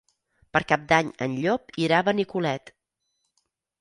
Per Cap d'Any en Llop irà a Benicolet.